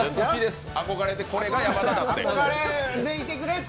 憧れて、これが山田だって。